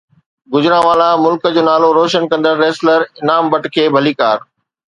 گوجرانوالا ملڪ جو نالو روشن ڪندڙ ریسلر انعام بٽ کي ڀليڪار